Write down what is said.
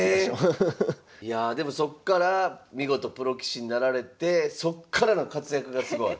いやあでもそっから見事プロ棋士になられてそっからの活躍がすごい。